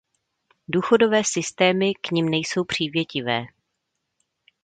Důchodové systémy k nim nejsou přívětivé.